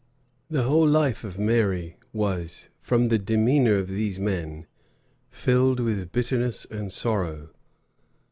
The whole life of Mary was, from the demeanor of these men, filled with bitterness and sorrow.